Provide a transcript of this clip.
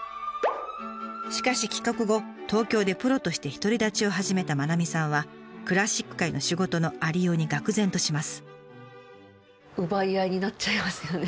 しかし帰国後東京でプロとして独り立ちを始めた愛さんはクラシック界の仕事のありようにがく然とします。